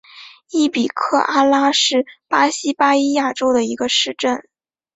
伊比科阿拉是巴西巴伊亚州的一个市镇。